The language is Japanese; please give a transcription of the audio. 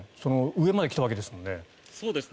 上まで来たわけですもんね。